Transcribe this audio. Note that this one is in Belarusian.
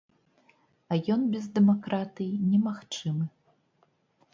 А ён без дэмакратыі немагчымы.